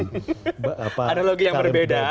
analogi yang berbeda